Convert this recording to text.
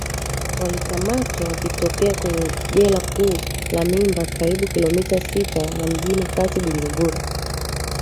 walikamatwa wakitokea kwenye jela kuu la mimba karibu kilomita sita na mjini kati bujumbura